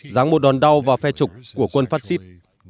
ráng một đòn đau vào phe trục của quân phát xít